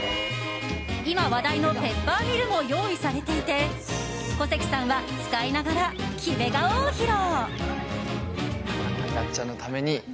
今、話題のペッパーミルも用意されていて小関さんは使いながら決め顔を披露。